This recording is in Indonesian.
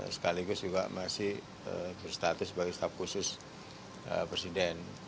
sekaligus juga masih berstatus sebagai staf khusus presiden